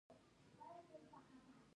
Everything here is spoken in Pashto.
نورې پیسې د پانګې پراخوالي لپاره ساتي